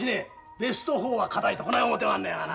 ベスト４は堅いとこない思てまんのやがな。